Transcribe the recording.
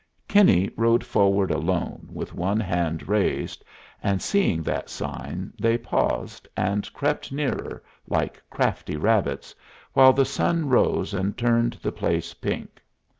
Kinney rode forward alone, with one hand raised; and seeing that sign, they paused, and crept nearer, like crafty rabbits, while the sun rose and turned the place pink.